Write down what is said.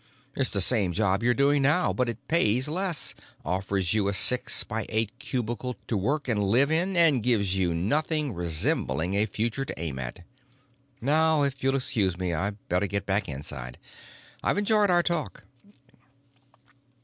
It's the same job you're doing now, but it pays less, offers you a six by eight cubicle to work and live in, and gives you nothing resembling a future to aim at. Now if you'll excuse me I'd better get back inside. I've enjoyed our talk."